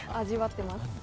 味わっています。